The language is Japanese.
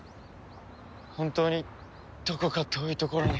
本当にどこか遠い所に。